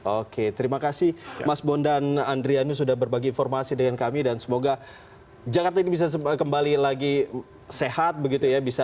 oke terima kasih mas bondan andriani sudah berbagi informasi dengan kami dan semoga jakarta ini bisa kembali lagi sehat begitu ya